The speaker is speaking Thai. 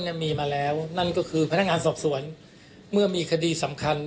และมีมาแล้วนั่นก็คือพนักงานสอบสวนเมื่อมีคดีสำคัญ